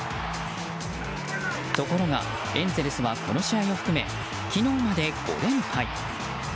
ところがエンゼルスはこの試合を含め昨日まで５連敗。